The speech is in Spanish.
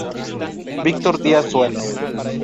Víctor Díaz Suárez